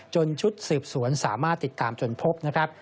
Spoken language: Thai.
ชุดสืบสวนสามารถติดตามจนพบนะครับ